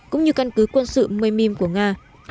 cũng như căn cứ quân sự môi mìm của nga